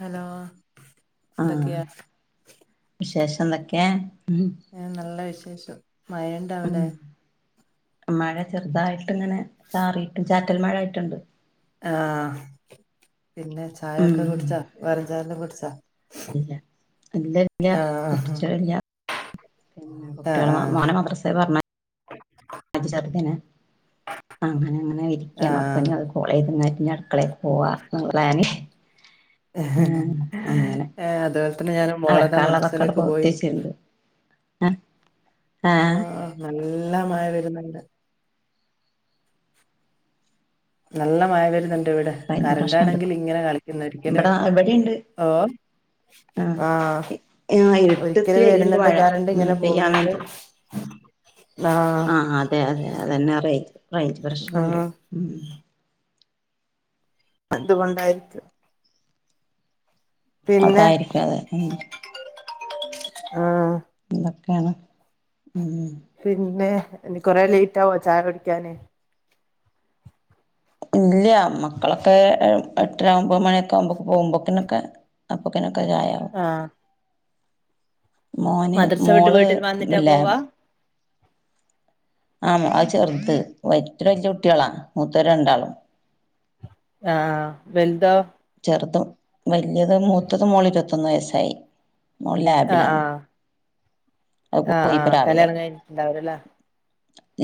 Hello ആഹ് എന്തൊക്കെയാ വിശേഷം എന്തൊക്കെയാ? ഏഹ് നല്ലെ വിശേഷം മയേണ്ട് ഉം മഴ ചെറുതായിട്ട് ഇങ്ങനെ ചാറിയിട്ട് ചാറ്റൽ മഴ ആയിറ്റ്ണ്ട്. ആഹ് പിന്നെ ച ചായൊക്കെ ഉം കുടിച്ചോ വെറുംഞ്ചായൊക്കെ കുടിച്ചാ? ഇല്ല ഇല്ല, ഇല്ല ആഹ് കുട്ടിച്ചില്ലാ പിന്നെ ആഹ് കുട്ടിയാള് ആഹ് മോനെ മദ്രസേല് പർഞ്ഞ ഞ്ഞയച്ചു ചെർതിനെ അങ്ങനെ, അങ്ങനെ ഇരിക്കാണ് ആഹ് അപ്പഞ്ഞി [unintelligible] കോളെയ്ത് ഇന്നാ ഇഞ്ഞി അടുക്കളേക്ക് പോവാന് പ്ലാന് അതുപോലെത്തെന്നെ ഞാനും മോളിതാ അലക്കാനുള്ളതൊക്കെ അവിടെ മദ്രസ്സിലേക്ക് പകുത്തി പോയി. [inaudible] വെച്ചിട്ടുണ്ട് ആഹ് ആഹ് ആഹ് നല്ല മഴ വെര്ന്ന്ണ്ട്. നല്ല മഴ വെര്ന്ന്ണ്ട് ഇവിടെ. റേഞ്ച് പ്രശ്നണ്ട് കരന്റാണെങ്കില്ങ്ങനെ കളിക്കുന്ന് ഒരിക്കലും ഇവിടെ ഇവിടെണ്ട് ഓഹ് ആഹ് ആഹ് ഇരുട്ടത്തി ഒരിക്കല് വരുണ്ട് വെര്ന്നുണ്ട് മഴ ഉം കരണ്ട്ങ്ങനെ പെയ്യാൻ പോകുന്നുണ്ട്. വേണ്ടി ആഹ് അതെ, അതെ അതെന്നെ റെയ് റെയ്ഞ്ച് പ്രശ്നണ്ട് ആഹ് ഉം അതുകൊണ്ടായിരിക്കും. പിന്നെ അതായിരിക്കതെ ഉം ആഹ് ഇതൊക്കേണ് ഉം പിന്നേ ഇനി കൊറേ ലേറ്റാവോ ചായ കുടിക്കാന്? ഇല്ല്യാ മക്കളൊക്കെ എ എട്ടെര ഒമ്പത് മണിയൊക്കെകുമ്പൊക്ക് പോവുമ്പോക്കിനൊക്കൊ അപ്പക്കിനൊക്കെ ചായാവും. ആഹ് മോന് മദ്രസ വിട്ട് മോള് വീട്ടിൽ വന്നിട്ടാ പോവാ ലാബ് ആഹ് മോ അത് ചെർത് [unintelligible] വല്ല്യ കുട്ട്യാളാ മൂത്തോര് രണ്ടാളും. ആഹ് വെൽതോ? ചെർതും വല്ലിയത് മൂത്തത് മോള് ഇരുപത്തൊന്ന് വയസ്സായി. മോൾ ആഹ് ലാബിലാണ്. ആഹ് അഹ് പ്പ ആഹ് പോയി പ്പൊ ആഹ് രാവിലെ. കല്യാണം കഴിഞ്ഞിട്ടുണ്ടാവൂലല്ലേ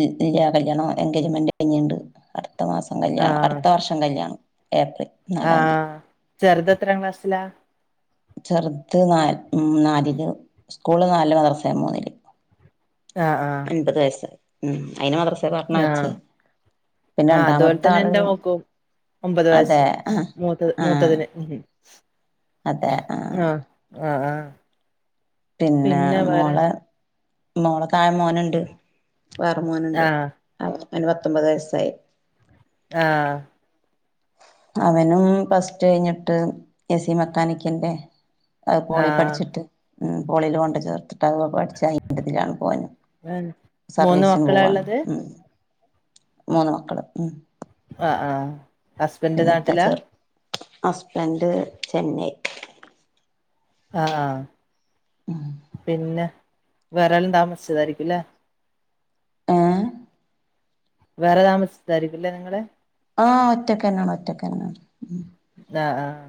ഇല് ഇല്യാ കല്യാണം എൻഗേജ്മെന്റ് കഴിഞ്ഞിണ്ട് അടുത്ത മാസം കല്യാണം ആഹ് അടുത്ത വർശ് - ഷം കല്ല്യാണം ഏപ്രി ആഹ് ചെർത് എത്രാം ക്ലാസ്സിലാ? ചെർത് നാല് ഉം നാലില് സ്കൂള് നാലില് മദ്രസ്സ്ല് മൂന്നില്. ആഹ്, ആഹ് മ്പത് വയസ് ഉം അയ്നെ മദ്രസേ പർഞയച്ച്. ആഹ് പിന്നെ ആഹ് അതുപോലെ തന്നെ രണ്ടാമത്താള് എന്റെ മോക്കും ഒമ്പത് വയസ്സ് മൂത്തത് ആഹ് മൂത്തതിന് ഹും ഹും അതെ ആഹ് ആഹ്, ആഹ് പിന്നെ മോളെ മോളെതായെ മോന്ണ്ട് വേറെ മോന്ണ്ട്. ആഹ് അവന് പ്പന്നെ പത്തൊമ്പത് വയസ്സായി. ആഹ് അവനും പ്ലെസ് ടു കഴ്‌ഞ്ഞിട്ട് എ സി മെക്കാനിക്കിന്റെ അത് പോളി ആഹ് പഠിച്ചിട്ട് ഉം പോളീ ല് കൊണ്ട് ചേർത്തിട്ട് അത് പഠിച്ച അയിന്റെതിലാണ് പോന്. മൂന്ന് സർവീസിന് മക്കളാ പോവാണ് ഉള്ളത് ഉം മൂന്ന് മക്കള് ഉം. ആഹ് ആഹ്. ഹസ്ബൻഡ് പിന്നെത്ത നാട്ടിലാ ചേർ ഹസ്ബൻഡ് ചെന്നൈ ആഹ് പിന്നെ വേറേല്ലം താമസിച്ചതായിരിക്കുംല്ലേ. ഏഹ് വേറെ താമസിച്ചായിരിക്കുല്ലേ നിങ്ങള്. ആഹ് ഒറ്റക്കെന്നാണ് ഒറ്റക്കന്നാണ് ഉം. ആഹ് ആഹ്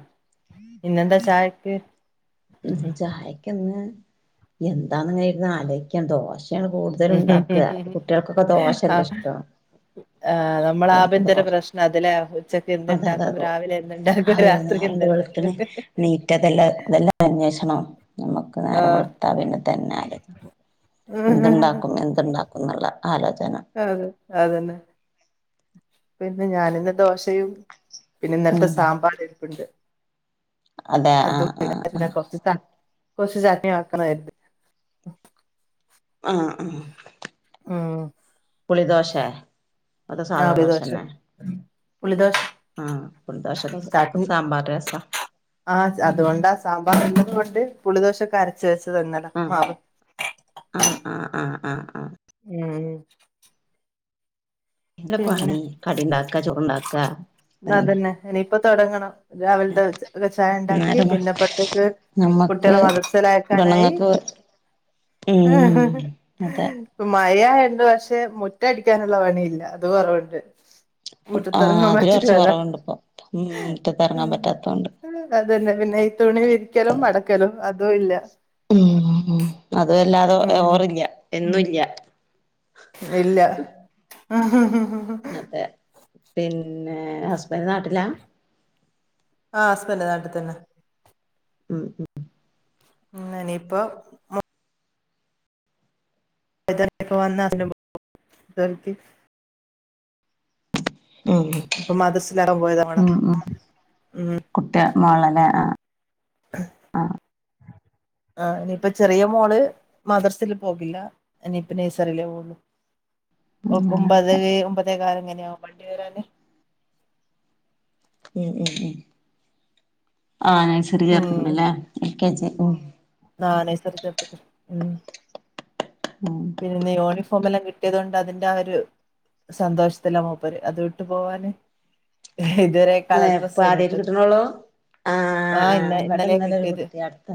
ഇന്നെന്താ ചായക്ക്. ഉ ചായക്ക്ന്ന് എന്താന്ന്ങ്ങനെ ഇരുന്നലോയിക്കാൻ ദോശ് ശയാണ് കൂടുതലും ണ്ടാക്കാ. കുട്ടികൾക്കൊക്കെ ദോഷല്ലെഷ്ടം. ആ് നമ്മലെ ആഭ്യന്തര പ്രശ്നാത് ലെ അതെ ഉച്ചക്കെന്ത്‌ണ്ടാക്കും അതെ രാവിലെ. എന്ത്ണ്ടാക്കും രാത്രി എന്ത്‌ണ്ടാക്കും. മറ്റതെല്ലതെല്ലാം അന്വേഷണം നമ്മുക്ക് നേരം ആഹ് വെള്ത്താ പിന്നെ തന്നാല്. എന്ത്‌ണ്ടാക്കും എന്ത്‌ണ്ടാക്കും ന്ന്ള്ള ആലോചന. അതെ അതന്നെ പിന്നെ ഞാനിന്ന് ദോശയും. പിന്നെ ഇന്നത്തെ ഉം സാമ്പാർ എരിപ്പ്ണ്ട് അതെ അത് ആഹ് ആഹ് പിന്നെ ആഹ് കോറ കുറച്ചു സദ്യ മാത്രമായിരുന്നു ആഹ് മ്മ് പുളിദോശ അതോ സാധാ ദോശ തന്നെ. പുളിദാശ. ആഹ് പുളിദോഷക്ക് സാമ്പാർ രസാ. ആഹ് ഉം അതുകൊണ്ടാ സാമ്പാർ ഇല്ലത കൊണ്ട് പുളിദോശൊക്കെ അരച്ച് വെച്ച് തന്നടാ ആഹ് മാവ്. ആഹ് ആഹ് ആഹ് ആഹ് ഉം. എന്ത് പിന്നെ പണി കടി ഉണ്ടാക്ക ചോറുണ്ടാക്ക തന്നെ. ഇനിയിപ്പൊ തോടങ്ങണം രാവിലത്തെ ഒക്കെ ചായ ഉണ്ടാക്കി നേരം പിന്നെ അപ്പത്തേക്ക്. നമ്മക്ക് പേണ്ണങ്ങക്ക് ഉം അതെ. ഇപ്പ മഴയണ്ട് പക്ഷെ മുറ്റ അടിക്കാനുള്ള പണിയില്ല അത് കൊറവുണ്ട്. ആഹ് മുറ്റത്തെറങ്ങാൻ അത് കൊറച്ച് പറ്റൂലല്ലോ കുറവുണ്ട് ഇപ്പം മുറ്റത്തിറങ്ങാൻ പറ്റാത്ത കൊണ്ട്. അതന്നെ പിന്നെ ഈ തുണി വിരിക്കലും മടക്കലും അതും ഇല്ല. ഉം അതും അല്ലാതെ ഉം ഓവറില എന്നും ഇല്ല ഇല്ല. [unintelligible] ആതേ പിന്നെ ഹസ്ബൻഡ് നാട്ടിലാ. ആഹ് ഹസ്ബന്റ് നാട്ടിൽ തന്നെ. ഉം ഉം. ഇനീപ്പോ. മോ [unintelligible] ഉം ഉം ഇപ്പൊ മദ്രസ പോയ ഓണം കുട്ടി മോള് ആഹ്. [inaudible] ആഹ് ഇനിയിപ്പ ചെറിയ മോൾ മദ്രസിൽ പോകില്ല ഇനിയിപ്പ നെയൈസറിലേ പോള്ളൂ. ഒപത് അങ്ങനൊക്കെ ഒമ്പതേകാല് ഇങ്ങനെയകും വണ്ടി വരാൻ. ഉം ഉം ആ നഴ്സറി ഉം ചേർത്തക്കണല്ലേ എൽ കേ ജി. അഹ് നഴ്സറി ചേർത്തക്ക് ഹ്മ്. ഉം. പിന്നെ യൂണിഫോം എല്ലാം കിട്ടിയത് കൊണ്ട് അതിന്റെ ആ ഒരു. സന്തോഷത്തില മൂപ്പര് അത് ട്ട് പോവാന് ഇതുവരെ. കളർ ഏഹ് ഡ്രസ് ഇപ്പൊ തന്ന ആദ്യായിട്ട് ഇട്ടത് കിട്ടണോള്ളൂ ആഹ് ഇന്ന ഇവിടെ ഇന്നലെ ഒരു കിട്ടിയത്. കുട്ടി അടുത്ത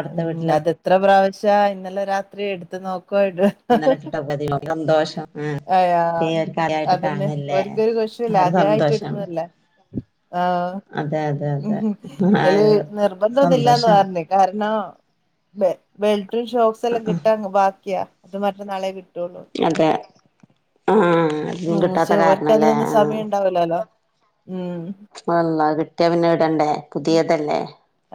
അടുത്ത ഉം വീട്ടിലെ അതെത്ര പ്രാവശ്യ ഇന്നലെ രാത്രി എടുത് നോക്കുവായിട. ഇന്നലെ ഇട്ടിട്ട സന്തോഷം ആഹ് ഹയ്യോ അതേ ഒരു കളിയായിട്ട് അതന്നെ കാണല്ലേ ഒരിക്കൊരു കൊ ല്ല ആ ഒരു ആദ്യ ആയിട്ട് സന്തോഷാണ് ഇടുന്നതല്ലേ ആഹ് അതെ അതെ അതെ ആ അല് ഒരു നിർബന്ധം ഇല്ലാന്ന് സന്തോഷാണ് പറഞ്ഞ കാരണം ബെൽട്ടും ഷോക്സ് എല്ലാം കിട്ട ബാക്കിയാ അത് മറ്റന്നാളെ കിട്ട കിട്ടുള്ളൂ അതെ ആഹ് അതൊന്നും കിട്ടാത്ത ഒരിക്ക കാരണല്ലേ അതിനൊന്ന ആ സമയം ഉണ്ടാവ ഇല്ലല്ലോ ഉം ആല്ല കിട്ടിയാ പിന്നെ ഇടണ്ടേ പുതിയതല്ലേ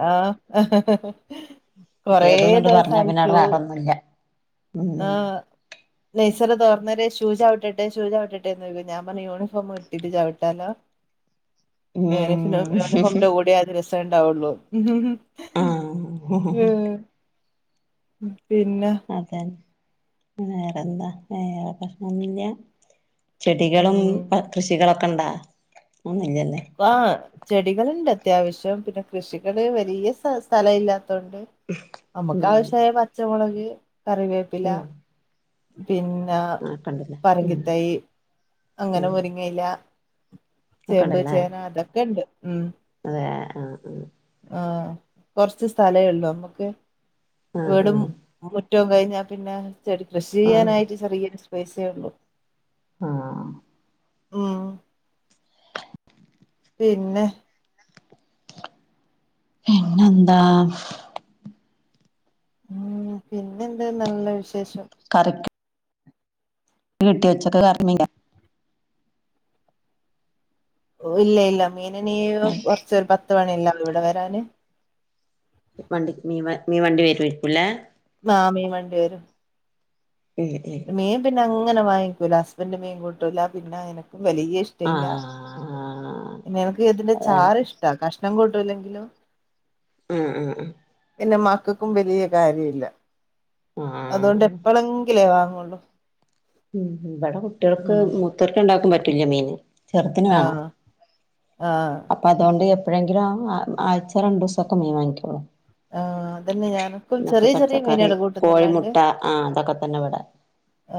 ആഹ് [inaudible] കൊറേ പുതിയതന്നണ്ട് പറഞ്ഞാ പിന്നെ ദിവസഴച്ചു അവിടെ വേറൊന്നുല്ല ഉം ആഹ് നൈസർ തറന്നരെ ഷൂ ആവിട്ടെ ഷൂസ് ആവിട്ടെന്ന്ോിക്ക [inaudible] ഞാൻ പറഞ്ഞ യൂണിഫോ ഇട്ടാട്ട് ചവിട്ടാലോ [inaudible] ഉം യൂണിഫോമിന്റെ കൂടെ അത് ഉണ്ടാവുള്ളൂ ആഹ് ഉം പിന്നെ അതെ വേറെന്താ വേറെ പ്രശ്നൊന്നുല്ല ചെടികളും ഉം കൃഷികളൊക്കെ ഇണ്ടാ ഒന്നല്ലല്ലേ ആ ചെടികളുണ്ട് അത്യാവശ്യം പിന്നെ കൃഷികള് വലിയ സ് സ്ഥലം ഇല്ലാത്തോണ്ട് നമുക്ക് ഉം ആവശ്യമായ പച്ചമുളക് കറിവേപ്പില ഉം പിന്ന ആക്കണ്ടല്ലേ ഉം പറങ്കിത്തൈ അങ്ങനെ മുരിങ്ങയ്ല ആക്കടല്ലേ ചേന അതക്കെ ഉണ്ട് ഉം അതെ ആഹ് ആഹ് ആഹ് കൊറച്ച് സ്ഥലേള്ളൂ നമ്മുക്ക് ആഹ് വീടും ആഹ് മുറ്റം കഴിഞ്ഞാൽ പിന്നെ ചെടി കൃഷി ആഹ് ചെയ്യാനായിട്ട് ചെറിയൊരു സ്പൈസേള്ളു ആഹ് ഉം പിന്നെ പിന്നെന്താ ഉം പിന്നെ എന്ത് നല്ല വിശേഷം കറക്റ്റ് കിട്ട വെച്ചക്കെ കർമ്മില്ല ഓഹ് ഇല്ല ഇല്ല മീനനീ കറി കുറച്ച ഒരു പത്ത് മണില്ല ഇവിടെ വരാന് വണ്ടി മീ വ മീ വണ്ടി വര വരിക്കുംല്ലെ ആഹ് മീൻ വണ്ടി വരും ഉം ഉം മീൻ പിന്നെ അങ്ങനെ വാങ്ങിക്കൂല ഹസ്ബൻഡ് മീൻകോട്ടില്ല പിന്നെ എനക്കും വലിയ ഇഷ്ടയ്ല്ല ആഹ് പിന്നെ എനക്ക് ഇതിന്റെ അതന്നെ ചാറ് ഇഷ്ട കഷ്ണം കൂട്ടൂല്ലെങ്കിലും ഉം ഉം ഉം പിന്നെ മക്കൾക്കും വലിയ കാര്യ ഇല്ല ആഹ് അതുകൊണ്ട് എപ്പളെ ങ്കിലേ വാങ്ങള്ളൂ [unintelligible] ഉം ഇവിടെ കുട്ടികൾക്ക് ഉം മുത്തർക്ക ഉണ്ടാക്കാൻ പറ്റില്ല മീന് ചെറുതന് വേണം ആഹ് ആഹ് അപ്പൊ അതുകൊണ്ട് എപ്പോഴെങ്കും ആഴ്ച രണ്ടു ദിവസമൊക്കെ മീൻ വാങ്ങിക്കോുള്ളൂ ആഹ് അതന്നെ ഞാനക്കും പിന്നൊക്കെ ചെറിയ ചെറിയ പച്ചക്കറി മീനുകള് കൂട്ടുന്നല്ലാണ്ട് കോഴിമുട്ട ആഹ് അതൊക്കെ തന്നെ വിട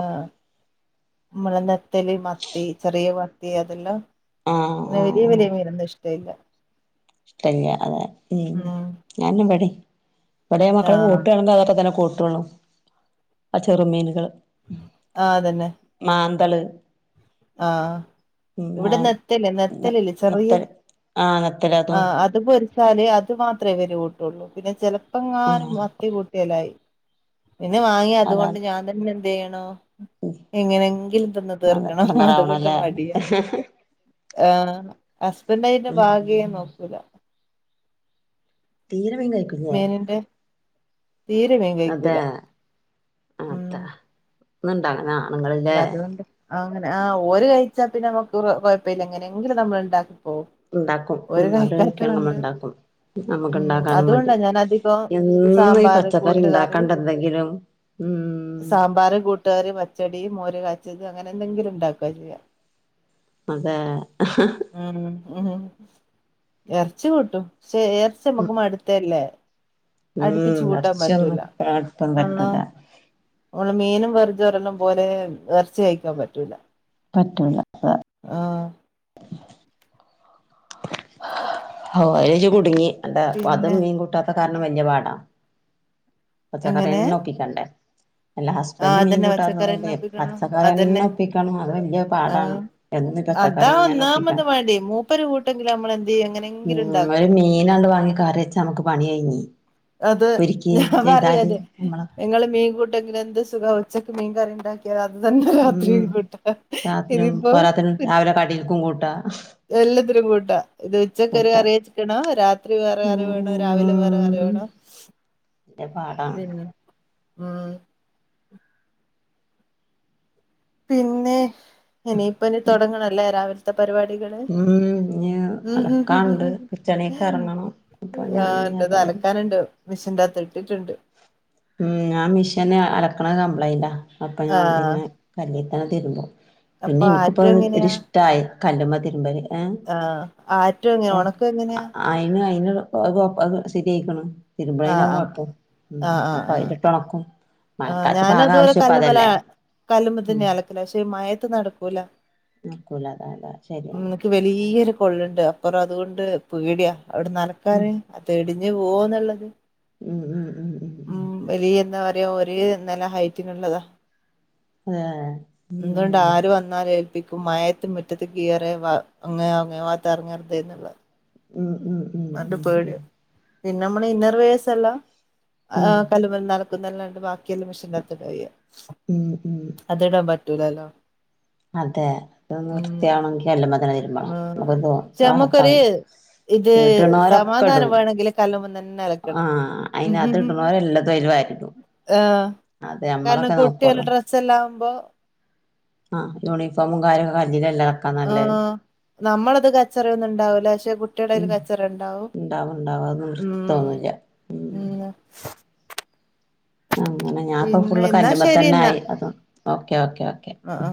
ആഹ് നമ്മ നെത്തല് മത്തി ചെറിയ മത്തി അതെല്ലാം ആഹ് അങ്ങനെ വലിയ വലിയ മീനന്ന ഇഷ്ടം ഇല്ല കല്യാണം അതെ ഉം ഞാനും പടി ഇവിടെയ മക്കൾ ആഹ് കൂട്ടുയാണെങ്കിൽ അതൊക്കെ തന്നെ കൂട്ടള്ളൂ ആ ചെറുമീനുകള് ആഹ് അതന്നെ മാന്തൾ ആഹ് ആ ഇവിടെ നത്തല് ന നത്തലല്ലേ ചെറിയ നത്തല് ആ നത്തല് ആ അതും അത് പൊരി വച്ചാലേ അത് മാത്രമേ ഇവര് കൂട്ടുള്ളൂ പിന്നെ ആ ചെിലപ്പങ്ങാനും മത്തി കൂട്ടിയലായി പിന്നെ വാങ്ങി അതുകൊണ്ട് അതാണ് ഞാൻ തന്നെ എന്ത് ചെയ്യണോ എങ്ങനെങ്കിലും തന്ന് തീർക്ക ആഹ് അത് കൊണ്ട് എടങ്ങേറാവണല്ലേ മടിയ ആ ഹസ്ബൻഡയ്ന്റെ ഉം ഭാഗേം നോക്കൂല തീരെമയ് വേനിന്റെ [unintelligible] അതെ അതാ ന്ന്ണ്ടാന ല്ലതോണ്ട് അങ്ങനെ ആഹ് ഓര് കഴിച്ചാ പിന്നെ നമക്ക് ക്കെഴപ്പല്ല എങ്ങനെങ്കിലും നമ്മള്ണ്ടാക്കിപ്പോ ഇണ്ടാക്കും ഉം അവര് കഴിക്കാണ നമ്മള്ണ്ടാക്കും. ഉം ഞമക്ക്ണ്ടാക്കാനും മടി അതുകൊണ്ടാ ഞാൻ അധികം എന്നും ഈ സാമ്പാറ് കൂട്ടുകറി പച്ചക്കറിണ്ടാക്കാണ്ടന്തെങ്കിലും സാമ്പാർ, കൂ ട്ടറി, പച്ചടി, മോര കാച്ചത് അങ്ങനെന്തെങ്കില്ണ്ടാക്ക ചെയ്യാ. അതെ ആണോ എർച്ചി കൂട്ടും ക്ഷേ എർച്ച്യമ്മക്ക് മട് ത്തല്ലേ ഉം അട്പ്പിച്ചൂട്ടാൻ ഇറച്ചിയൊന്നും പറ്റൂല. ഒട്ടും വള്ളോ പറ്റൂല നമ്മള് മീനും വെർജൊറന്നും പോലെ എർച്ചി കഴിക്കാൻ പറ്റൂല. പറ്റൂല അതെ ആഹ് [unintelligible] അയ്‌ല്ജ് കുടുങ്ങി അണ്ടാ അതും പിന്നെ മീൻകൂട്ടാത്ത കാരണം വെല്ല്യെ പാടാ എങ്ങനെ പച്ചക്കറ്യെന്നൊപ്പിക്കണ്ടേ അല്ലാ ആഹ് ഹസ്ബൻഡ് മീൻ അതന്നെ കൂട്ടാത്തത് കൊണ്ടേ പച്ചക്കറിന്നെ ഒപ്പിക്കണം അതന്നെ പച്ചക്കറ്യെന്നൊപ്പിക്കണം അത് വെല്ല്യെ പാടാണ്. ആഹ് എന്നും അതാ പച്ചക്കറിങ്ങനൊപ്പിക്കാ ഒന്നാമത് മടി മൂപ്പര് കൂട്ടെങ്കിൽ നമ്മൾ എന്ത് ചെയ്യും എങ്ങനെങ്കിലും ഉം ഉണ്ടാക്കും ഒരു മീനണ്ട് വാങ്ങി കറ്യെച്ച അമക്ക് പണ്യയ്ഞ്ഞ് പൊരിക്കേം ചെയ്താല് അമ്മളെ ഇങ്ങള് മീൻകൂട്ടെങ്കിലെന്ത് സുഖാ ഉച്ചക്ക് മീൻകറിണ്ടാ ക്ക്യാ അത് തന്നെ ഉം രാത്രീം കൂട്ടാ രാത്രിയും ഇതിപ്പോ പോരാത്തതിന് ഇ രാവിലെ കടിക്കും കൂട്ടാ എല്ലാത്തിലും കൂട്ടാ ഇത് ച്ചക്കൊരു കൂട്ടാ കറി വെച്ച്ട്ട്ണ്ടാവും രാത്രി വേറെ കറി വേണോ രാവിലെ വേറെ ഉം കറിവേണോ [unintelligible] തിൻ ഉം പിന്നെ ഇനിയിപ്പോ ഞ് തൊടങ്ങണല്ലേ രാവിൽ ത്തെ പരിവാടികള് ഉം ഇഞ്ഞ് ആഹ് അലക്കാണ്ട് കിച്ചണീക്ക് എറങ്ങണം അപ്പൊ ഞാനിഞ്ഞ് ഏതായാലും ഇന്റെതലക്കാന്ണ്ട് മിഷീൻ്റാത്ത് ഇട്ട്ട്ട്ണ്ട്. ഉം ഞാൻ മിഷീന് അലക്കണ കംപ്ലൈയ്ൻ്റാ അപ്പൊ ഞാൻ ആഹ് പിന്നെ കല്ത്തന്നെ തിര്മ്പും അപ്പൊ പിന്നെ ഇൻക്ക്പ്പോ ആറ്റും എങ്ങനെയാ ഒരിഷ്ടായി കല്ല് മ്മേ തിര്മ്പല് ആഹ് ആറ്റേ ഞ് ഒണക്കങ്ങന്യാ അയിന് അയ്മേ [unintelligible] ശെര്യായ്ക്ക്ണ് തിര്മ്പ്ണേനാ ആഹ് ആഹ് കൊഴപ്പം. ഉം ആഹ് ആഹ് അപ്പൊ ആഹ് അയില്ട്ടൊണക്കും. ആഹ് ഞാനത്പോലെ കല്ല്മ്മല കല്ല്മ്മ ഉം തന്ന്യാലക്കല് പക്ഷെ ഈ മയത്ത് നടക്കൂല നട്ക്കൂല അതാ താ ശെര്യാണ് വെലിയൊരു പൊള്ള്ണ്ട് അപ്പറ അത്കൊണ്ട് പേട്യാ അവടെ ഉം നനക്കാന് അതെടിഞ്ഞ് പോവുന്നുള്ളത് ഉം ഉം ഉം ഉം ഒര് എന്നാ പറയാ ഒരേ നല്ല ഹൈറ്റിനുള്ളതാ ഏഹ് എന്തൊണ്ട് ആര് വന്നാലേൽപ്പിക്കും മയത്ത് മുറ്റത്ത്ക്ക് കേറ്യാ വ അങ്ങേ അങ്ങേ വാത്തെർങ്ങരുതേന്ന്ള്ളേ ഉം ഉം [unintelligible] ഉം ഉം പേട്യാവും പിന്നെ നമ്മളെ ഇന്നർ വേയേർസെല്ലാം ഉം എഹ് കല്ല് [unintelligible] ല്ലാംണ്ട് ബാക്കിയെല്ലാം മെഷീൻ്റാത്ത് ഇടാ ചെയ്യാ ഉം ഉം അത് ടാൻ പറ്റൂലല്ലോ. അതെ അത് ഉം വൃത്തിയാണെങ്കിൽ അല്ല് മത ആഹ് ജമക്കോര് ഇത് ഇടണോരൊക്കെ സമാധാനം ഇടും വേണെങ്കില് കല്ല്മ തന്നെ അലക്കണം ആഹ് അയിന് അത് ഇടണോരെല്ലതും അയില് വാരിടും ആഹ് അതെ കാരണം നമ്മളൊക്കെ കുട്ടിൾള്ള നോക്കുള്ളൂ ഡ്രസ്സ് എല്ലാംമ്പോ അഹ് യൂണിഫോമും കാര്യൊ [unintelligible] ആഹ് നമ്മളത് കച്ചറിയൊന്നും ഉണ്ടാവൂല പക്ഷെ കു ട്ടെടേല് ഉം കച്ചറ ഉണ്ടാവും ഇണ്ടാവും ഇണ്ടാവും അതൊന്നും വൃത്തി ഉം തോന്നൂല്ല ഉം അങ്ങനെ ഞാൻപ്പ പിന്നെ ഫുള്ള് എന്നാ കല്ലുമ് ശരി തന്നെ ആയി അതും ഓക്കേ ഓക്കേ ഓക്കേ അഹ് ആഹ്